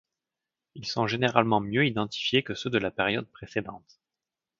Ils sont généralement mieux identifiés que ceux de la période précédente.